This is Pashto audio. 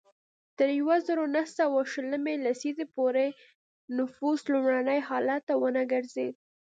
تر یوه زرو نهه سوه شلمې لسیزې پورې نفوس لومړني حالت ته ونه ګرځېد.